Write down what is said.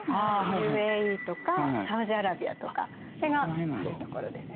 ＵＡＥとかサウジアラビアとかそれがあるところですよね。